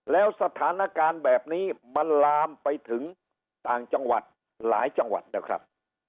แล้วสถานการณ์แบบนี้มันลามไปถึงต่างจังหวัดหลายจังหวัดนะครับ